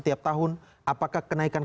seperti yang pak zilid bilang